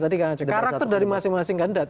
tadi kak acik karakter dari masing masing gandat